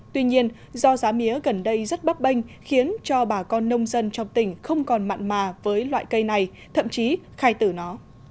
tuy nhiên do giá mía gần đây rất bấp bênh khiến cho bà con nông dân trong tỉnh không còn mặn mà với loại cây này thậm chí khai tử nó